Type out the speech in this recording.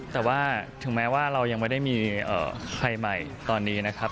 แต่ว่าถึงแม้ว่าเรายังไม่ได้มีใครใหม่ตอนนี้นะครับ